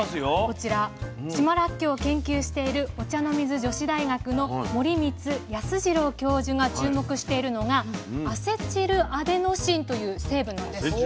こちら島らっきょうを研究しているお茶の水女子大学の森光康次郎教授が注目しているのがアセチルアデノシンという成分なんです。